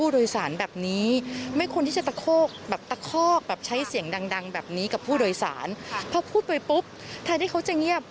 ดังแบบนี้กับผู้โดยสารเพราะพูดไปปุ๊บถ้าได้เขาจะเงียบ